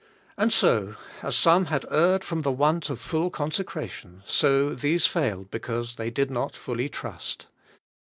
And so, as some had erred from the want of full consecration, so these failed because they did not fully trust.